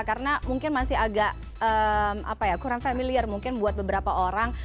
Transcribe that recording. karena mungkin masih agak kurang familiar mungkin buat beberapa orang